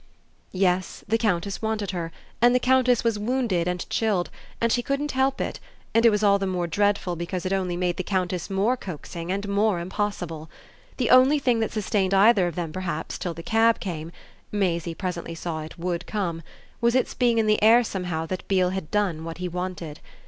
Yes, the Countess wanted her and the Countess was wounded and chilled, and she couldn't help it, and it was all the more dreadful because it only made the Countess more coaxing and more impossible. The only thing that sustained either of them perhaps till the cab came Maisie presently saw it would come was its being in the air somehow that Beale had done what he wanted.